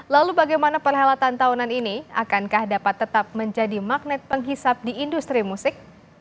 lalu bagaimana perhelatan tahunan ini akankah dapat tetap menjadi magnet penghisap di industri musik